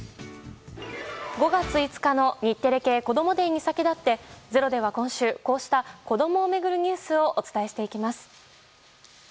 ５月５日の日テレ系こどもｄａｙに先立って「ｚｅｒｏ」では今週こうした子供を巡るニュースをお伝えしていきます。